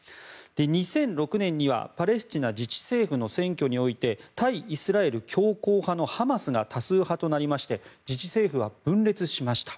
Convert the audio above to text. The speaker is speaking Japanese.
２００６年にはパレスチナ自治政府の選挙において対イスラエル強硬派のハマスが多数派となりまして自治政府は分裂しました。